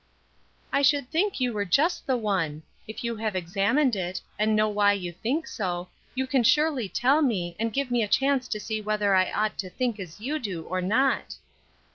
"I should think you were just the one. If you have examined it, and know why you think so, you can surely tell me, and give me a chance to see whether I ought to think as you do or not."